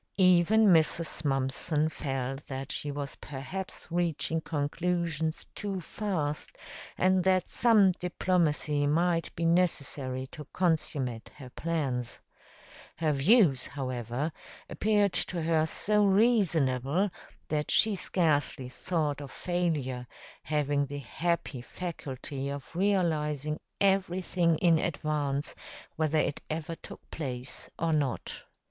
Even Mrs. Mumpson felt that she was perhaps reaching conclusions too fast and that some diplomacy might be necessary to consummate her plans. Her views, however, appeared to her so reasonable that she scarcely thought of failure, having the happy faculty of realizing everything in advance, whether it ever took place or not.